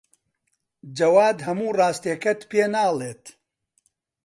جەواد هەموو ڕاستییەکەت پێ ناڵێت.